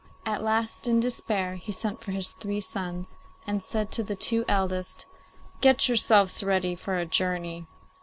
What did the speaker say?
At last, in despair, he sent for his three sons, and said to the two eldest, 'Get yourselves ready for a journey.